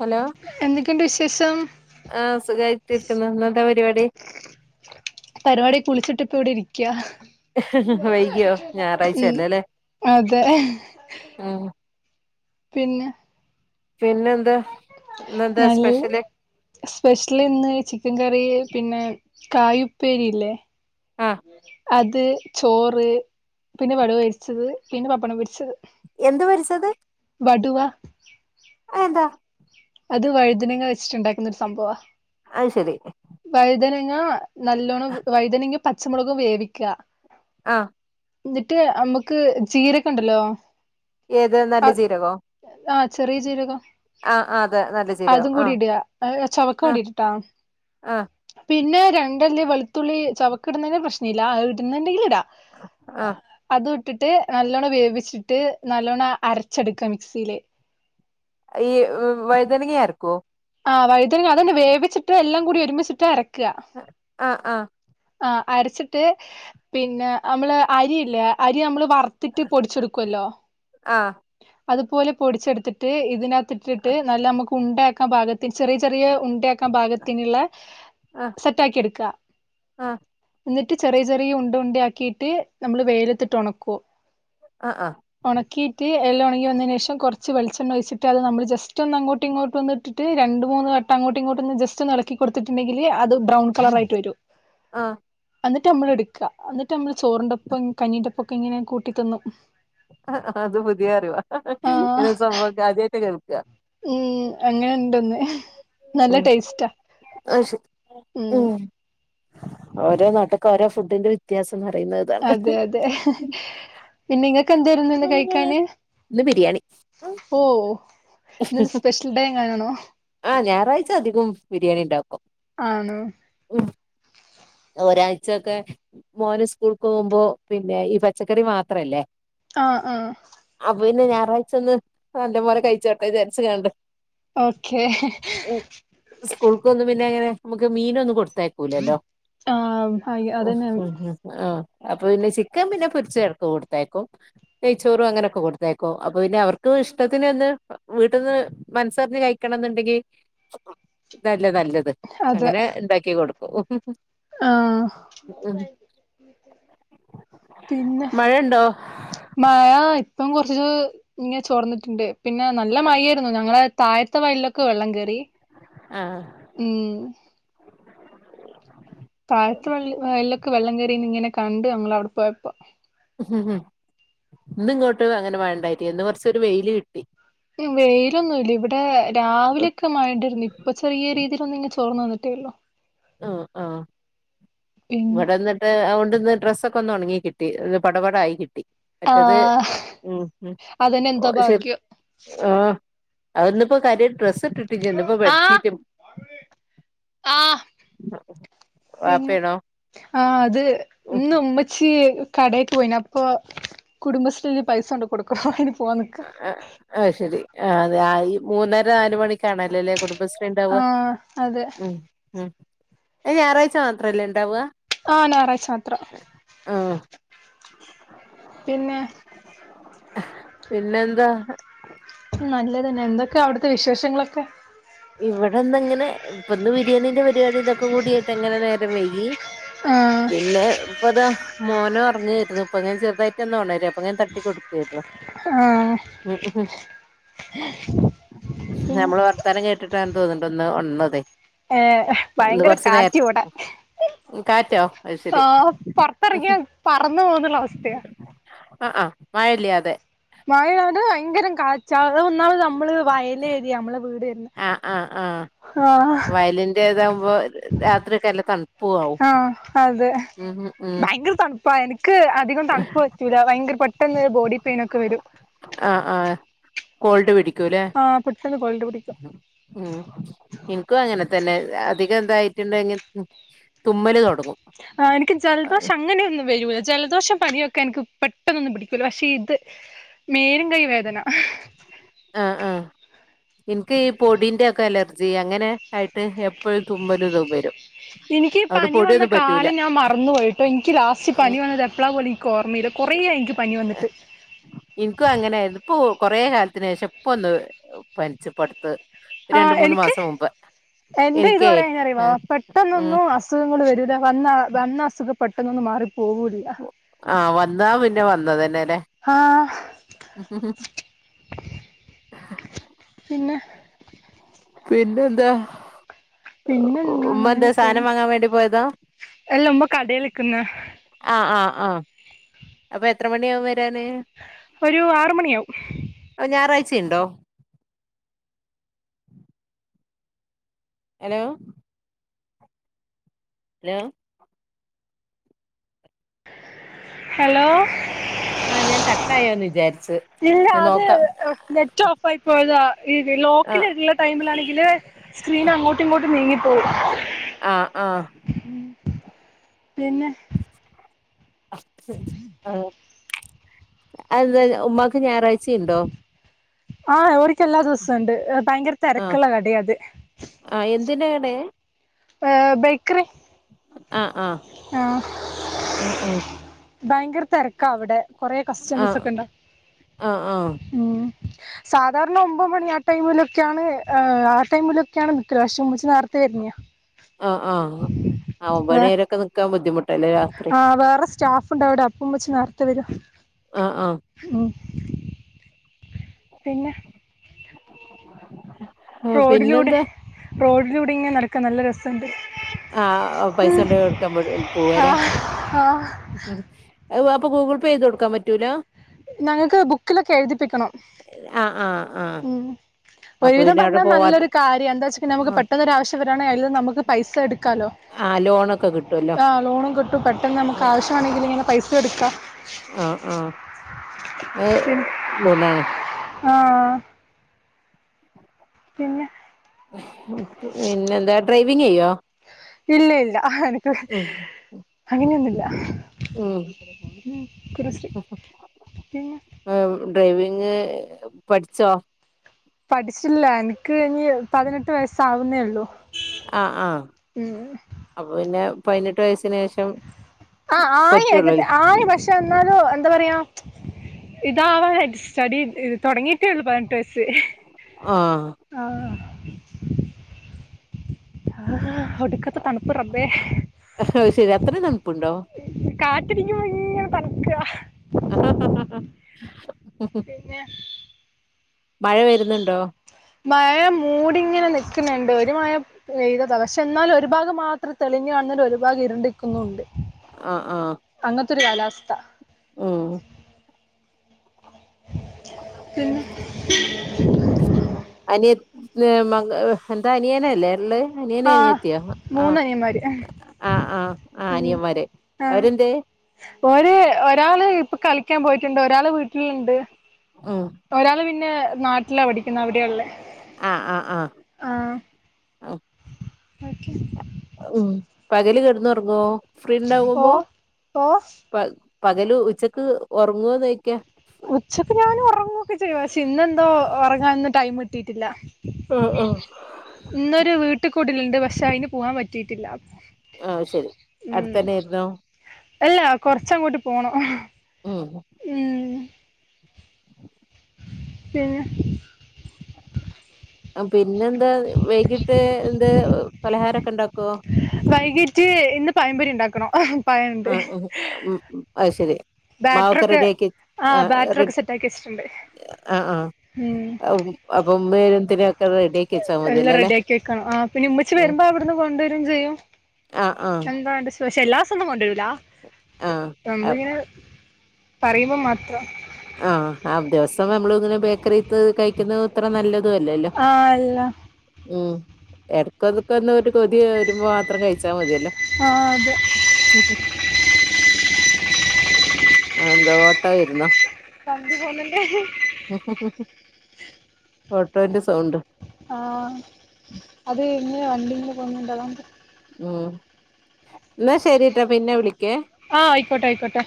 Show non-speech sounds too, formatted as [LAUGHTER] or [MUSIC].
Hello എന്തൊക്കെണ്ട് വിശേഷം ആ സുഖായിട്ട് ഇരിക്കുന്ന് ഇന്നെന്താ പരിപാടി പരിപാടി കുളിച്ചിട്ട്ിപ്പ ഇവിടെഇരിക്ക്യ വൈകിയോ ഉ ഞായറാഴ്ചയല്ലേല്ലേ അതെഹ ഉം പിന്നെ പിന്നെന്താ ഇന്നെന്താ നല്ല സ്പെഷ്യല് സ്പെഷ്യൽ ഇന്ന് ചിക്കൻ കറി പിന്നെ കായുപ്പേരി ഇല്ലേ ആഹ് അത് ചോറ് പിന്നെ വടുവ വേവിച്ചത പിന്നെ പപ്പടം പൊരിച്ചത് എന്ത് വ രിച്ചത് വടുവാ ആഏത അത് വഴുദനങ വെച്ചിട്ടുണ്ടാക്കുന്ന ഒരു സംഭവാ ആഹ് ശെരി വൈതനങ്ങ നല്ലോണ്ണം വൈതനങ്ങ പച്ചമുളകും വേവിക്കുക ആഹ ന്നിട്ട് നമ്മക്ക് ചീരൊക്കെ ഉണ്ടല്ലോ ഏത് നല്ല ചീരകോ ആചെറിയ ജീരകം ആആ അതെ നല്ല ജീരകം അതും കൂടി ആഹ് ഇടാ ആഹ് ചൊവക്കാട്ടീട്ട് ട്ടോ ആഹ് പിന്നെ രണ്ടല്ലി വെളുത്തുള്ളി ചൊവക്ക് ഇടുേന്നേന് പ്രശ്നല്ലാ ഇടുന്നുണ്ടെങ്കി ഇടാ ആ അതും ഇട്ട്ട്ട് നല്ലോണ്ണം വേവിച്ചിട്ട് നല്ലോണം അരച്ചെടുക്ക മിക്സിയില് ഈ വൈതനങ്ങേ അരക്കോ ആ വഴുതനങ്ങ അതന്നെ വേവിച്ചിട്ട് എല്ലാം കൂടി ഒരുമിച്ചിട്ടാ അരക്കാ ആഹ് ആഹ് ആ അരച്ചിട്ട് പിന്നെ നമ്മള് അരിയില്ലേ അരി നമ്മള് വറ ത്തിട്ട് പൊടിച്ചെടുക്കുവല്ലോ ആഹ് അതുപോലെ പൊടിച്ചെടുത്ത്ട്ട് ഇതിനക ത്ത്ട്ടിട്ട് നല്ല ഞമ്മക്ക് ഉണ്ടാക്കാ ഭാഗത്തിൻ ചെറിയ ചെറിയ ഉണ്ടാക്കാൻ ഭാഗത്തിന്ള്ള സെറ്റാ ക്കി എട്ക്കാ ആ എന്നിട്ട് ചെറിയ ചെറിയ ഉണ്ട ഉണ്ട ആക്കിയിട്ട് നമ്മള് വെയിലത്തിട്ട് ഒണക്കും ആ ആ ഒണക്കിയിട്ട് എല്ലാം ഒണങ്ങി വന്നേനേ ഷം കുറച്ച് വെളിച്ചെണ്ണ ഒഴിച്ച്ട്ട് അത് നമ്മള് ജസ്റ്റ് ഒന്ന് അങ്ങോട്ട് ഇങ്ങോട്ടൊന്ന് ട്ട് ട്ട് രണ്ട് മൂന്ന് വട്ടം അങ്ങോട്ടും ഇങ്ങോട്ടൊന്ന് ജസ്റ്റ് എളക്കി കൊടുത്ത്ട്ട്ണ്ടെങ്കിൽ അത് ബ്രൗൺ കളറായിട്ട് വരും ആ ന്നിട്ട് നമ്മള് ഇട്ക്കാ ന്നിട്ട് നമ്മള് ചോറിന്റെ പ്പം കഞ്ഞീന്റപ്പം ഒക്കെ ഇങ്ങനെ കൂട്ടി തിന്നും അത് പുതിയേ അറിവാ ആഹ് ഇനെ സംഭവക്കെ ആദ്യായിട്ട് കേൾക്കാ ഉം അങ്ങനെണ്ടൊന്ന് നല്ല ഉം ടേസ്റ്റാ അത് ശരി ഉം ഓരോ നാട്ട്ക്ക് ഓരോ ഫുഡിന്റെ വ്യത്യാസം ന്ന്റയുന്നേ അതെ അതെ പിന്നെ ഇങ്ങക്ക് എന്തേ രുന്നുന്ന് ഇന്ന് കഴിക്കാന് ഇന്ന് ബിരിയാണി ഓ ഇന്ന് സ്പെഷ്യൽ ഡേ എങ്ങാനും ആണേ ആ ഞായറാഴ്ച അധിക്കും ബിരിയാണി ണ്ടാക്കും ആന്നോ ഓഫ് ഒരാഴ്ചൊക്കെ മോന് സ്കൂൾ ക്ക് പോവുമ്പോ പിന്നെ ഈ പച്ചക്കറി മാത്രല്ലേ ആ ആ അപ്പൊ പിന്നെ ഞായറാഴ്ച്ചൊന്ന് നല്ലപോലെ കഴിച്ചോട്ടെ ചാരിച്ച് കാണ്ട് ഓക്കേ സ്കൂൾ ക്കൊന്നും പിന്നെ അങ്ങനെ നമ്മക്ക് മീനൊന്നും കൊടുത്തേക്കൂലല്ലോ ആഹ് അ ഇഅതന്നെ ആ അപ്പൊ പിന്നെ ചിക്കൻ പിന്നെ പൊരിച്ച് എട്ക്ക് കൊടുത്തേക്കും നെയ്ച്ചോറും അങ്ങനെയൊക്കെ കൊടുത്തേക്കും അപ്പൊ പിന്നെ അവർക്ക് ഇഷ്ടത്തിന് ഒന്ന് വീട്ട്ന്ന് മനസ്സറിഞ്ഞ് കഴിക്കണം ന്ന്ണ്ടെങ്കി ഇതല്ലേ നല്ലത് അതെ അങ്ങനെ ണ്ടാക്കി കൊടുക്കും ആഹ് പിന്നെ മഴണ്ടോ മഴ ഇപ്പം കുറച്ചൊര് ചോർന്നിട്ട്ണ്ട് പിന്നെ നല്ല മഴായിരുന്നു ഞങ്ങളെ താഴത്തെ വയ ല് ലൊക്കെ വെള്ളം കേറി ആഹ് മ് തഴത്ത വയൽലൊക്കെ വെള്ളം കേറീന്ന് ഇങ്ങനെ കണ്ട് ഞങ്ങള് അവിടെ പോയപ്പോ ഇന്ന് ഇങ്ങോട്ട് അങ്ങനെ മഴണ്ടായിട്ടി ഇന്ന് കുറച്ചൊരു വെയില് കിട്ടി ഇ വെയിലൊന്നും ല്ല ഇവിടെ രാവിലൊക്കെ മഴ ന്റെര്ന്ന് പ്പൊ ചെറിയ രീതീ ലൊന്ന് ങ്ങ തൊറന്ന്ന്നിട്ടേ ള്ളൂ ആ ആ പിന്നെ ഇവടന്ന് ണ്ട് അ ഓണ്ട്ന്ന് ഡ്രസ്സെക്കെ ഒന്ന് ഒണങ്ങി കിട്ടി പടപട ആയി കിട്ടി മറ്റത് ആഹ് ഉം അതന്നെ എന്തോ ശരി ഭാഗ്യം ആ അ ഒന്ന് ഇപ്പോ കാര്യ ഡ്രസ് ഇട്ടിട്ടില്ല ഇന്ന്പ്പോ ബെഡ്ഷീറ്റും ആഹ പിന്നെ വാപ്പയാണോ ആഹ അത് ഇന്ന് ഉമ്മച്ചി കടയിൽ പോയിനി അപ്പൊ കുടുംബശ്രീയിൽ പൈസ കൊണ്ട് കൊടുക്കാൻ അയിന് പോവാൻ നിക്ക ആ ആഹ ശരി ആ അതെ ആ ഈ മൂന്നര നാല് മണിക്കാണ അല്ലേ അല്ലെ കുടുംബശ്രി ണ്ടാവ ആഹ് അതെ ഉ അത് ഞായറാഴ്ച മാത്രല്ലെ ഉണ്ടാവുക ആ ഞായറാഴ്ച മാത്രം ആഹ പിന്നെ പിന്നെ എന്താ നല്ലതന്നെ എന്തൊക്കെയ അവിടുത്തെ വിശേഷങ്ങളൊക്കെ ഇവിടെന്തെങ്ങനെ ഇപ്പൊന്ന് ബിരിയാണിന്റെ പരിപാടി ഇതൊക്കെ കൂടിയായിട്ട് ഇങ്ങനെ നേരം വൈകി ആഹ് പിന്നെ പ്പതാ മോനൊറങ്ങേരുന്നു ഇപ്പൊ ഞാൻ ചെറുതായിട്ടൊന്നൊണരായിരുന്നു അപ്പൊ ഞാൻ തട്ടി കൊടുക്കേരുന്നു. ആ ഉ ഉ നമ്മളെവർത്താനം കേ ട്ടാന്ന് തോന്ന്ണ്ട് ഒന്ന് ഓണർന്നത്തെ. ഏ ഭയങ്കര കാറ്റിവ്ടെ കാറ്റോ അത് ശരി ആ പൊർത്തെറങ്ങിയാ പറന്ന് പോന്നുള്ള അവസ്ഥെയാ. അ അ മഴെല്ലാതെ മായാത് ഭയങ്കര കാച്ച അത വന്നാള് നമ്മള് വയലേരിയ മ്മളെ വീട് വരുന്ന ആ ഹാഹ് [UNINTELLIGIBLE] കുമ്പോ രാത്രിക്കെല്ല തണു ആഹ് അതെ ഉം ഭയങ്കര തണു അപ്പ എനിക്ക് അധികം തണുപ്പ് പറ്റൂല ഭയങ്കര പെട്ടെന്ന് ബോഡി പെയിനൊക്കെ വരും. ആഹ് ആഹ് കോൾഡ് പിടിക്കൂല്ലേ ആഹ് പെട്ടെന്ന് കോൾഡ് പിടിക്കും ഉം എനിക്കും അങ്ങനെ തന്നെ അധികം ന്തായിട്ടുണ്ടെങ്കി തുമ്മല് തൊടങ്ങും ആഹ് ഇന്ക്ക് ജലദോഷ അങ്ങനെയൊന്നും വരൂല. ജലദോഷ പനിയൊക്കെ എനിക്ക് പെട്ടെന്നൊന്നും പിടിക്കൂല പക്ഷെ ഇത് മേലും കൈയ്യും വേദന ആഹ് ആഹ് ഇൻക്ക് ഈ പൊടീന്റൊക്കെ അലർജി അങ്ങനെ ആയിട്ട് എപ്പഴും തുമ്മലും തും വരും. എനിക്ക് അതോണ്ട് പനി വന്ന പൊടിയൊന്നും പറ്റൂല കാലം ഞാൻ മറന്നു പോയിട്ടോ എനിക്ക് ലാസ്റ്റ് പനി വന്നത് എപ്പളാ പോലെ കോർമയില്ല കുറേയായി നിക്ക് പനി വന്നിട്ട് എനിക്കും അങ്ങനാരുന്നു ഇപ്പോ കൊറേ കാലത്തിനേഷം ഇപ്പൊന്ന് പനിച്ചു പ്പടുത്ത് ആഹ് എനിക്ക് എന്റെ ഇത് എനിക്കേ പറയാഞ്ഞ അറിയോ ആഹ് ഉം പെട്ടെന്നൊന്നും അസു സുഖങ്ങൾ വരൂല വന്ന വന്ന അസുഖം പെട്ടെന്നൊന്നും മാറി പോവൂല. ആഹ് വന്നാ പിന്നെ വന്നതെന്നെല്ലേ? ഹാ ഉം ഹും ഹും പിന്നെ? പിന്നെന്താ? ഉ പിന്നെ ഉ ഉമ്മ ന്താ അങ്ങനെ സാനം പോന്നു വാങ്ങാ വേണ്ടി പോയതാ? അല്ല ഉമ്മ കടേൽ നിക്കുന്ന് ആഹ് ആഹ് ആഹ് അപ്പൊ എത്ര മണിയാകും വരാന് ഒരു ആറ് മണിയാവും അ ഞായറാഴ്ചുണ്ടോ? ഹലോ [UNINTELLIGIBLE] ഹലോ ആഹ് ഞാൻ കട്ടിയോന്ന് വിചാരിച്. ഇല്ല അത് നെറ്റ് ഓഫായി പോയതാ ഈ ആ ലോക്കില്ള്ള ടൈമിലാണെങ്കില് സ്ക്രീൻ അങ്ങോട്ടിങ്ങോട്ടും നീങ്ങിപ്പോവും. ആഹ് ആഹ് പിന്നെ? ആ അഎന്താ ഉമ്മാക്ക് ഞാറാചിണ്ടോ ആഹ് ഇവർക്ക് എല്ലാ ദൂസണ്ട് ഭയങ്കര ആ തെരക്ക്ള്ള കടയത്. ആ യെന്തിൻ്റെ കടേ? ഏ ബേക്കറി ആഹ് ആഹ് ആഹ് ഭയങ്കര തെരക്കാവടെ കൊറേ ആ കസ്റ്റമേസൊക്കെണ്ട? ആ ആ ഉം സാധാരണ ഒമ്പത് മണി ആ ടൈമിലൊക്കാണ് ആ ആ ടൈമിലൊക്കാണ് നിക്കല് പക്ഷെ ഉമ്മച്ചി നേർത്തെ വരുന്നിയ ആഹ ആഹ ആ ഒമ്പത് വേ മണി വരൊയോക്കെ നിക്കാൻ ബുദ്ധിമുട്ടല്ലേ രാത്രി ആ വേറെ സ്റ്റാഫ് ഉണ്ട് അവിടെ അപ്പം ഉമ്മച്ചി നേരത്തെ വരും ആഹ ആഹ ഉം പിന്നെ ഉ റോഡിലൂടെ റോഡിലൂടെ ഇങ്ങനെ നടക്കാൻ നല്ല രസണ്ട്. ആ പൈസ കൊണ്ട് കൊടുക്കാൻ പോവ ല്ലേ ആഹ് ആഹ് അപ്പോ ഗൂഗിൾ പേ ചെയ്തു കൊടുക്കാൻ പറ്റൂല്ല ഞങ്ങൾക്ക് ബുക്കിലൊക്കെ എഴുതിപ്പിക്കണം. ആ ആ ആ ഉം അപ്പൊ ഒരുവിധം പിന്നെ അവിടെ പറഞ്ഞാ പോവാതെ നല്ലൊരു കാര്യ എന്താ വെച്ച നമുക്ക് ആ പെട്ടെന്ന് ഒരു ആവശ്യ എല്ലൊം നമുക്ക് പൈസ എടുക്കാലോ ആ ലോണൊക്കെ കിട്ടുവല്ലോ ആ ലോൺ കിട്ട് പെട്ടെന്ന് നമുക്ക് ആവശ്യണെങ്കിൽ ങ്ങനെ പൈസ എടുക്കാ. ആഹ ആഹ അത് ഗുണ ആ പിന്നെ പിന്നെ എന്താ ഡ്രൈവിങ് ചെയ്യോ? ഇല്ല ഇല്ല എനക്ക് ഉം അങ്ങനെയൊന്നുമില്ല ഉം കുടുംബ ശ്രീ പിന്നെ ആ ഡ്രൈവിങ് പഠിച്ചോ? പഠിച്ചില്ല എനിക്ക് ഇനി പതിനെട്ട് വയസ്സ് ആവുന്നേ ഉള്ളു ആ ആ അപ്പൊ പിന്നെ പതിനെട്ട് വയസ്സിന് ശേഷം ആഹ് ആയി പറ്റുള്ളൂല്ലേ ആയി പക്ഷെ - എന്നാലും എന്താ പറയാ ഇതാവാന് സ്റ്റഡി തുടങ്ങി പതിനെട്ടു വയസ്സ് ആഹ് ആ ആ ഒടുക്കത്തെ തണുപ്പ് റബ്ബെ അത് ശരി അത്രയും തണുപ്പുണ്ടോ കാറ്റടിക്കുമ്പോ ഇങ്ങനെ തണ്ക്ക ഹ് ഹ പിന്നെ മഴ വരുന്നുണ്ടോ? മഴം മൂടിങ്ങനെ നിക്കുന്നുണ്ട് ഒരു മഴ- പെയ്തത പക്ഷെ എന്നാലും ഒരു ഭാഗം മാത്രം തെളിഞ്ഞു കാണല് ഒരു ഭാഗം ഇരുണ്ട് ക്ക് ന്നുണ്ട്. ആ ആഹ് അങ്ങത്തൊരു കാലാവസ്ഥ. ഉം പിന്നെ അനിയത് മ എന്താ അനിയനല്ലേ ഉള്ളെ അനിയനൊ ആ അനിയത്തിയോ അ മൂന്നനിയന്മാര് ആ ആ ആ അനിയമ്മാര് അവരെന്തേ ഓര് ഒരാളിപ്പൊ കളിക്കാൻ പോയിട്ടുണ്ട് ഒരാള് വീട്ടിലുണ്ട്. ഉം ഒരാള് പിന്നെ നാട്ടിലാ പഠിക്കുന്ന അവിട ഉള്ളേ ആഹ് ആഹ് ആ [INAUDIBLE] ഓക്കെ ഉം പകല് കിടന്നുറങ്ങോ ഓ ഫ്രീണ്ടാകുമ്പോ ഓ പ പകലുച്ചക്ക് ഉറങ്ങോന്നോയ്ക്ക ഉച്ചക്ക് ഞാനുറങ്ങൊക്കെ ചെയ്യും പക്ഷെ ഇന്നെന്തോ ഉറങ്ങാന് ടൈം കിട്ടിയിട്ടില്ല. അ അ ഇന്നൊരു വീട്ടീകൂടലുണ്ട് പക്ഷെ അയിന് പോകൻ പറ്റിയിട്ടില്ല അ അത്ശെരി അടുത്തന്നെയായിരുന്നോ ഏ കൊറച്ചങ്ങോട്ട് പോണം ഉം ഉം [INAUDIBLE] പിന്നെ അ പിന്നെന്താ വൈകിട്ട് എന്ത് പലഹാരൊക്കെണ്ടാക്കുവോ വൈകിട്ട് ഇന്ന് പഴം പൊരിണ്ടാക്കണോ പഴൊണ്ട് ആഹ് ആഹ് ഉം അത് ശരി മാവൊക്കെ ബാറ്ററിൊക്കെ റെഡിയാക്കി ആ ആഹ് ബാറ്ററി റെ ഒക്കെ സെറ്റ് ആക്കി വച്ചിട്ടുണ്ട് അപ്പം അപ്പം വേറെന്തിന ക്കെറെഡി എല്ലാം റെഡിയാക്കി വെക്കണം ആ പിന്നെ ഉമ്മിച്ചിവരുമ്പോ അവിടുന്ന് കൊണ്ടുവരും ചെയ്യും അ ആ എന്താണ്ട് പക്ഷെ എല്ലാസൊന്നും കൊണ്ടരൂല്ല ആ നമ്മളിങ്ങനെ പറയുമ്പോ മാത്രം ആ അ ദിവസം നമ്മളുങ്ങിനെ ബേക്കറിത്ത് കഴിക്കുന്നതത്ര നല്ലതുല്ലല്ലോ ആ അല്ല ഉം ഇടക്കൊതുക്കൊന്ന് ഒരു കൊതി വരുമ്പോ മാത്രം കഴിച്ചാമതിയല്ലോ അ അ അത് ഉ ഉ അ എന്താ ഓട്ടോയിരുന്നോ സംതി [UNINTELLIGIBLE] ഉ ഉ ഉ ഓട്ടോന്റെ സൗണ്ട് ആ അത് ഇങ്ങെ വണ്ടിങ്ങനെ പോകുന്നുണ്ടല്ലോ ഉം എന്നാ ശരിട്ടോ പിന്നവിളിക്കേ ആ ആയിക്കോട്ടായിക്കോട്ടെ